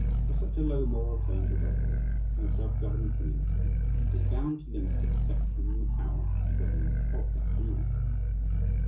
Where such a low moral tone prevails, in a self governing community, it is bound to limit the perception and the power of the government of that community.